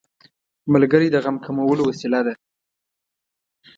ملګری د غم کمولو وسیله ده